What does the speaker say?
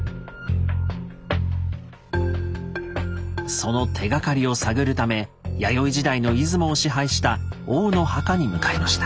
その手がかりを探るため弥生時代の出雲を支配した王の墓に向かいました。